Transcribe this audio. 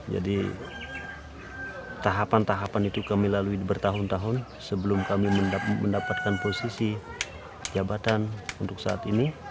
jadi tahapan tahapan itu kami lalui bertahun tahun sebelum kami mendapatkan posisi jabatan untuk saat ini